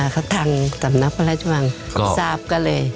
เขาทางสำนักพระราชวังทราบก็เลย